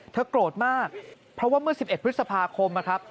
เธอกรดมากเพราะว่าเมื่อ๑๑พฤษภาคม